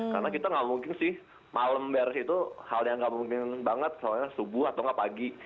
karena kita nggak mungkin sih malam beres itu hal yang nggak mungkin banget soalnya subuh atau nggak pagi